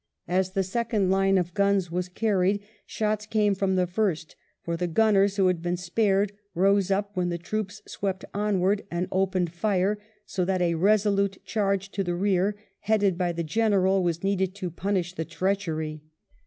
As the second line of guns was carried, shots came from the first, for the gunners who had been spared rose up when the troops swept onward and opened fire, so that a resolute charge to the rear, headed by the Greneral, was needed to punish the treachery.